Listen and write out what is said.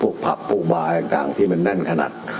พวกผัพพวกบ้านต่างที่มันนั่นขนัด